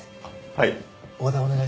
はい。